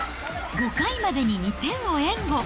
５回までに２点を援護。